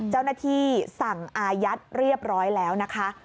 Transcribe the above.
เจ้าหน้าที่สั่งอายัดเรียบร้อยแล้วนะคะ